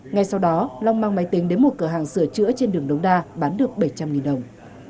ngay sau đó long mang máy tính đến một cửa hàng sửa chữa trên đường đống đa bán được bảy trăm linh đồng